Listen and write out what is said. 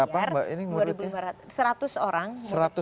berapa mbak ini menurutnya